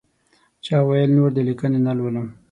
چا ویل نور دې لیکنې نه لولم.